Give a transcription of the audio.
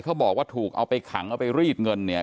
เขาบอกว่าถูกเอาไปขังเอาไปรีดเงินเนี่ย